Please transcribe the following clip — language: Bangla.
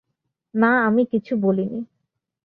না, আমি কিছু বলি নি।